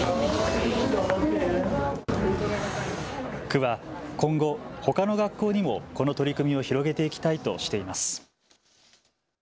区は今後、ほかの学校にもこの取り組みを広げていきたいとしています。